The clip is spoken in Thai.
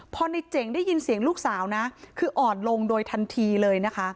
พอในเจ๋งได้ยินเสียงลูกสาวนะคืออ่อนลงโดยทันทีเลยนะคะ